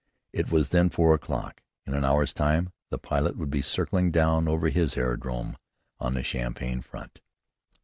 It was then four o'clock. In an hour's time the pilot would be circling down over his aerodrome on the Champagne front.